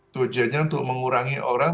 tujanya untuk mengurangi orang